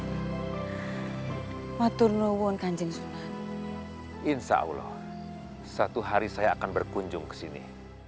hai maturnu won kanjeng sunan insyaallah satu hari saya akan berkunjung ke sini